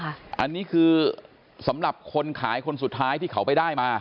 อันนี้คือสำหรับคนขายคนสุดท้ายที่เขาไปได้มา